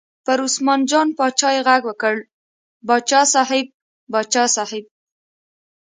پر عثمان جان باچا یې غږ وکړ: باچا صاحب، باچا صاحب.